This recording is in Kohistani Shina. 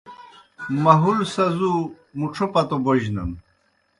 مہُل سزُو مُڇھو پتو بوجنَن۔